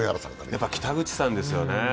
やっぱり北口さんですよね。